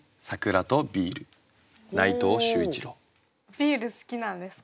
ビール好きなんですか？